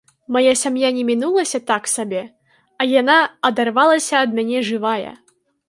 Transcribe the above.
Мая сям'я не мінулася так сабе, а яна адарвалася ад мяне жывая.